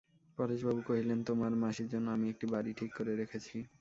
পরেশবাবু কহিলেন, তোমার মাসির জন্যে আমি একটি বাড়ি ঠিক করে রেখেছি।